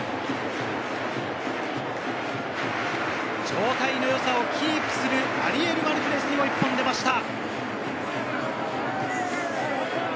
状態のよさをキープするアリエル・マルティネスにも１本出ました。